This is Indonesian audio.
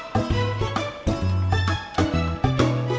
kok jadinya berantakan ya